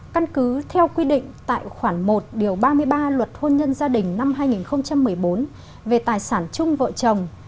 căn cứ theo quy định tại khoản một ba mươi ba luật hôn nhân gia đình năm hai nghìn một mươi bốn về tài sản chung vợ chồng